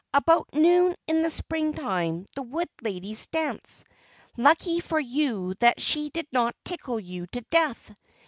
"About noon in the Spring time, the Wood Ladies dance. Lucky for you that she did not tickle you to death!